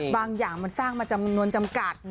บางอย่างมันสร้างมาจำนวนจำกัด